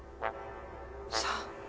さあ。